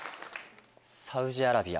「サウジアラビア」。